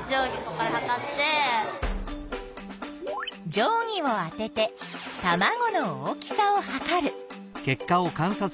定規をあててたまごの大きさをはかる。